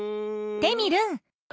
テミルン。